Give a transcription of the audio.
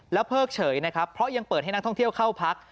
เพิกเฉยนะครับเพราะยังเปิดให้นักท่องเที่ยวเข้าพัก